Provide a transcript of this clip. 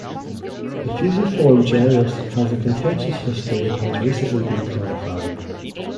The fusiform gyrus has a contentious history that has recently been clarified.